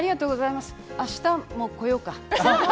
明日も来ようか？